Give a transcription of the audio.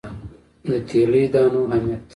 د تیلي دانو اهمیت.